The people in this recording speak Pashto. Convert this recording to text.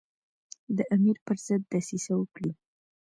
د امیر پر ضد دسیسه وکړي.